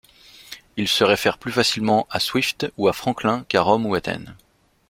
Il se réfère plus facilement à Swift ou à Franklin qu'à Rome ou Athènes.